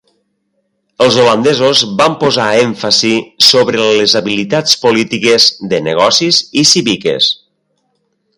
Els holandesos van posar èmfasi sobre les habilitats polítiques, de negocis i cíviques.